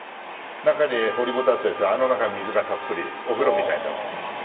中に掘りごたつですが、あの中に水がたっぷり、お風呂みたいに。